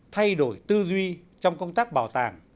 thay đổi tư duy trong công tác bảo tàng